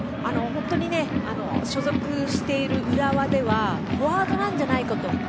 本当に所属している浦和ではフォワードなんじゃないかと。